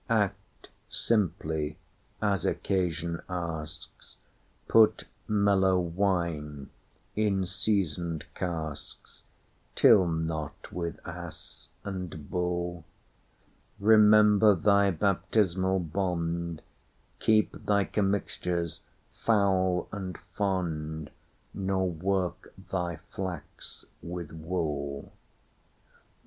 Act simply, as occasion asks; Put mellow wine in seasoned casks; Till not with ass and bull:Remember thy baptismal bond; Keep thy commixtures foul and fond, Nor work thy flax with wool.